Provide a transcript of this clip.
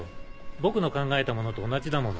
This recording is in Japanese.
僕の考えたものと同じだもの。